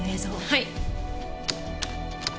はい。